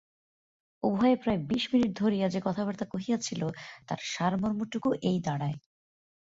উভয়ে প্রায় বিশ মিনিট ধরিয়া যে কথাবার্তা কহিয়াছিল তাহার সারমর্মটকু এই দাঁড়ায়।